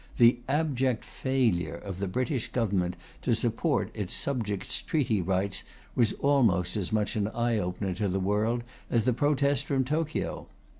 The abject failure of the British Government to support its subjects' treaty rights was almost as much an eye opener to the world as the protest from Tokio....